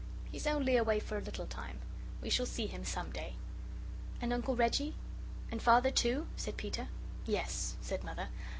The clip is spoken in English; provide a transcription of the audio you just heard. He's only away for a little time. We shall see him some day." "And Uncle Reggie and Father, too?" said Peter. "Yes," said Mother.